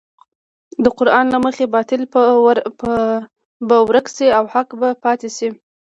د قران له مخې باطل به ورک شي او حق به پاتې شي.